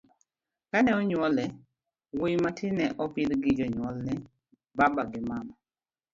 kane onyuole, wuoyi matin ne opidh gi jonyuol ne baba gi mama